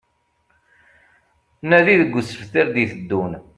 Nadi deg usebter d-iteddun